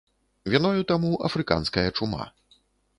Віною таму афрыканская чума.